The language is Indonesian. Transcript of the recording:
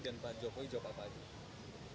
dan pak jokowi jawab apa aja